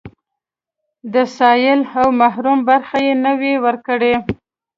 د سايل او محروم برخه يې نه وي ورکړې.